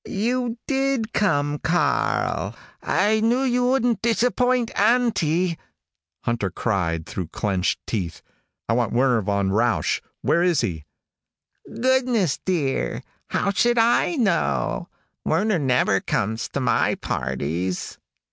"You did come, Karl! I knew you wouldn't disappoint Auntie." Hunter cried through clenched teeth, "I want Werner von Rausch. Where is he?" "Goodness, dear, how should I know? Werner never comes to my parties."